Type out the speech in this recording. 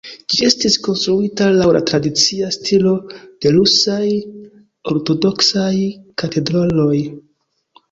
Ĝi estis konstruita laŭ la tradicia stilo de rusaj ortodoksaj katedraloj.